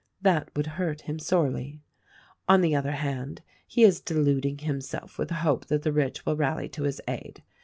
That would hurt him sorely. On the other hand, he is deluding himself with the hope that the rich will rally to his aid.